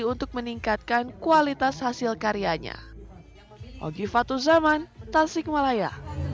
untuk meningkatkan kualitas hasil karyanya